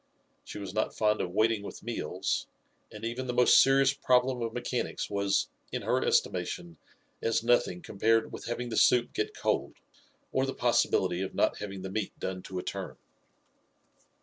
She was not fond of waiting with meals, and even the most serious problem of mechanics was, in her estimation, as nothing compared with having the soup get cold, or the possibility of not having the meat done to a turn.